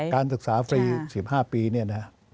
การศึกษาฟรี๑๕ปี